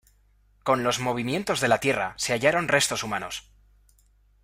Con los movimientos de la tierra se hallaron restos humanos.